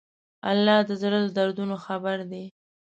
الله د زړه له دردونو خبر دی.